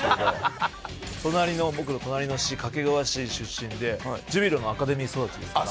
隣の僕の隣の市掛川市出身でジュビロのアカデミー育ちですから。